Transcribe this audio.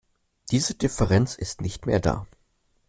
Diese Differenz ist nicht mehr da.